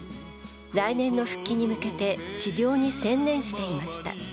来年の復帰に向けて治療に専念していました。